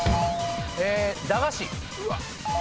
駄菓子。